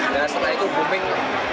dan setelah itu booming